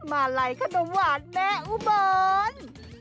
มาไหล่ขนมหวานแม่อุบรณ